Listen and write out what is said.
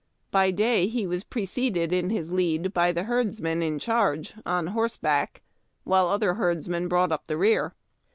By day he was preceded in his lead by the herdsman in charge, on horse back, while otlier herdsmen brought up the rear.